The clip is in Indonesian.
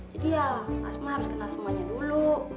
jadi ya asma harus kenal semuanya dulu